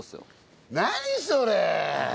何それ！